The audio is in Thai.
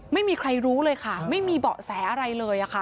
ไม่มีใครรู้เลยค่ะไม่มีเบาะแสอะไรเลยค่ะ